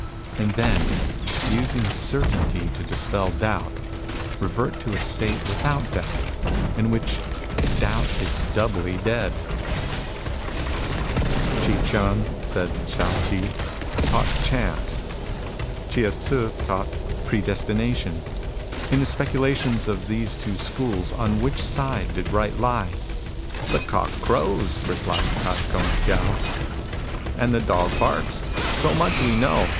And then, using certainty to dispel doubt, revert to a state without doubt, in which doubt is doubly dead ?" Chi Ch^n," said Shao Chih, " taught Chance ; Chieh Tzu taught Predestination, In the specula tions of these two schools, on which side did right lie?" "The cock crows," replied Tai Kung Tiao, " and the dog barks. So much we know.